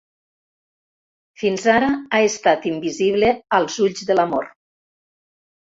Fins ara ha estat invisible als ulls de l'amor.